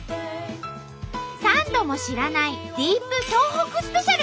サンドも知らないディープ東北スペシャル。